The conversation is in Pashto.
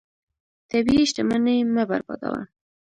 طبیعي شتمنۍ مه بربادوه.